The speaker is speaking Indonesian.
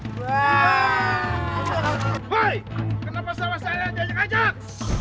woi kenapa sawah saya ajak ajak